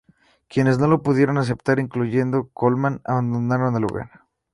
Quienes no lo pudieron aceptar, incluyendo Colmán, abandonaron el lugar.